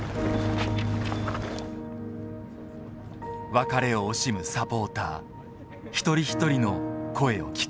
別れを惜しむサポーター一人一人の声を聞く。